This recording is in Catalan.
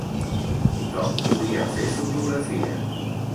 Tothom podia fer fotografies.